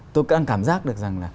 tôi đang cảm giác được rằng là